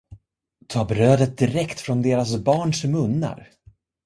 Ta brödet direkt från deras barns munnar!